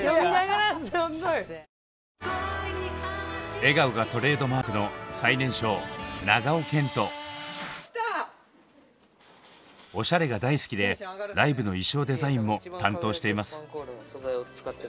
笑顔がトレードマークのおしゃれが大好きでライブの衣装デザインも担当しています。